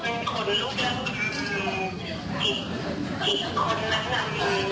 คนลุกก็เห็นหรือเปล่า